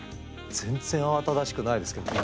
全然慌ただしくないですけどね。